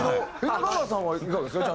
中川さんはいかがですか？